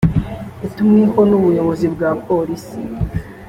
yatumweho n’ubuyobozi bwa polisi